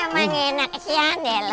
emang enak kasihan deh lo